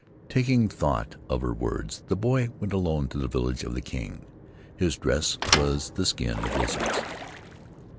Taking thought of her words, the boy went alone to the village of the king. His dress was the skin of lizards.